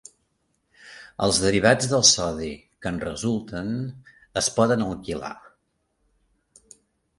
Els derivats del sodi que en resulten es poden alquilar.